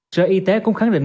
sở y tế cũng khẳng định